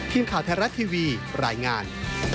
พิมพ์ข่าวแทนรัฐทีวีรายงาน